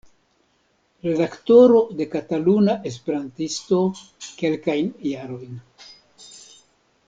Redaktoro de Kataluna Esperantisto kelkajn jarojn.